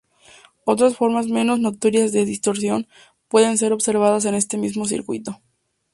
Otras formas menos notorias de distorsión pueden ser observadas en este mismo circuito.